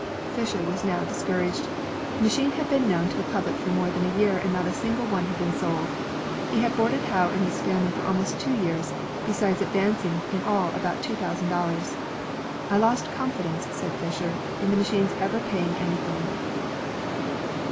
' Fisher was now discouraged. The machine had been known to the public for more than a year, and not a single one had been sold. He had boarded Howe and his family for almost two years, besides advancing in all about two thousand dollars. ''I lost confidence," said Fisher, ''in the machine's ever paying anything."